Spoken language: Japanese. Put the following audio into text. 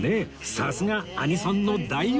さすがアニソンの大王！